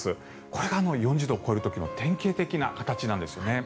これが４０度を超える時の典型的な形なんですね。